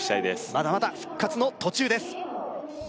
まだまだ復活の途中です